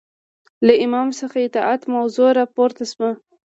له امام څخه اطاعت موضوع راپورته شوه